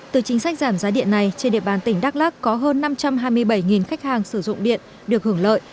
từ chính sách giảm giá điện này trên địa bàn tỉnh đắk lắc có hơn năm trăm hai mươi bảy khách hàng sử dụng điện được hưởng lợi